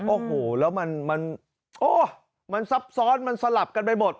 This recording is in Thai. โอ้โหแล้วมันโอ้มันซับซ้อนมันสลับกันไปหมด